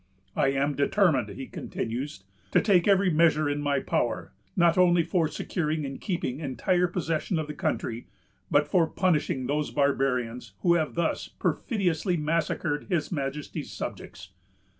I am determined," he continues, "to take every measure in my power, not only for securing and keeping entire possession of the country, but for punishing those barbarians who have thus perfidiously massacred his Majesty's subjects.